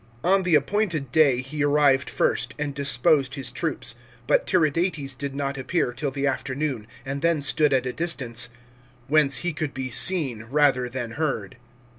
On the appointed day he arrived first, and disposed his troops, but 14 314 THE WAKfc FOK AKMENIA. CHAP, xvm Tiridates did not appear till the afternoon, and then stood at a distance " whence he could be seen rather than heard."